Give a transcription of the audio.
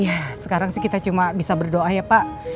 iya sekarang sih kita cuma bisa berdoa ya pak